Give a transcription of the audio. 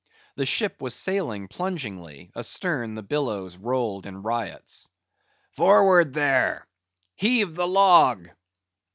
The ship was sailing plungingly; astern the billows rolled in riots. "Forward, there! Heave the log!"